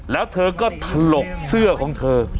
แล้วเธอก็ถลกเสื้อของเธอ